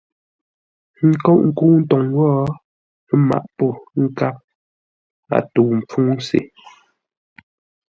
Ə́ nkóʼ ńkə́u ntoŋ wó, ə́ mǎʼ pô ńkáp, a tə̂u ḿpfúŋ se.